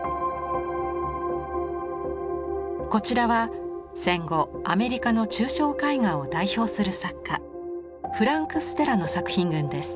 こちらは戦後アメリカの抽象絵画を代表する作家フランク・ステラの作品群です。